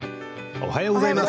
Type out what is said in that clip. おはようございます。